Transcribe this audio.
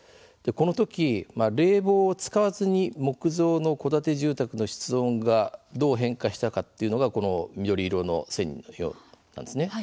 このとき、冷房を使わずに木造の戸建て住宅の室温がどう変化したかというのがこの緑色の線のようなんですね。